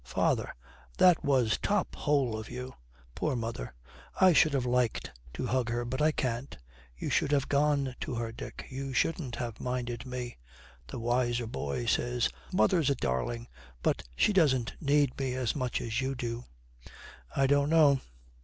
'Father, that was top hole of you! Poor mother, I should have liked to hug her; but I can't.' 'You should have gone to her, Dick; you shouldn't have minded me.' The wiser boy says, 'Mother's a darling, but she doesn't need me as much as you do.' 'I don't know.'